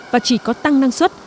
và chỉ có tăng năng suất